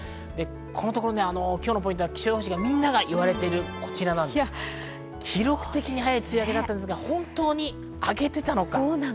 このところ、今日のポイントは気象予報士がみんな言われている、記録的に早い梅雨明けだったんですが、本当に明けていたのか？